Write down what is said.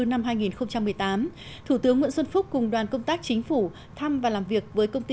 năm hai nghìn một mươi tám thủ tướng nguyễn xuân phúc cùng đoàn công tác chính phủ thăm và làm việc với công ty